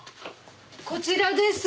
こちらです。